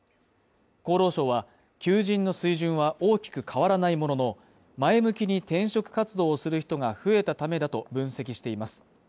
厚労省は求人の水準は大きく変わらないものの前向きに転職活動をする人が増えたためだと分析しています。